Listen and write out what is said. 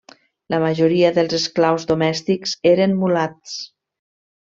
La majoria dels esclaus domèstics eren mulats.